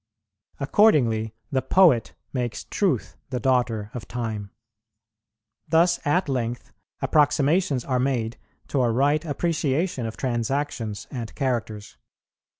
Accordingly the Poet makes Truth the daughter of Time.[47:1] Thus at length approximations are made to a right appreciation of transactions and characters.